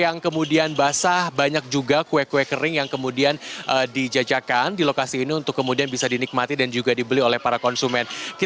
yang kemudian basah banyak juga kue kue kering yang kemudian dijajakan di lokasi ini untuk kemudian bisa dinikmati dan juga dibeli oleh para konsumen